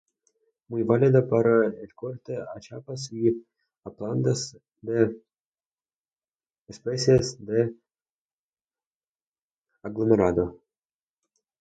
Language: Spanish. Muy válida para el corte a chapas y aplanadas de especies de aglomerado.